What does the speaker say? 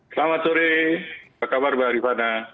selamat sore apa kabar mbak rifana